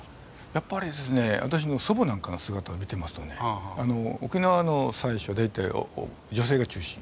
やっぱり私の祖母なんかの姿を見てますとね沖縄の祭祀は大体女性が中心。